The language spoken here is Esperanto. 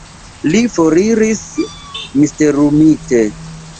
Li foriris, misterumite.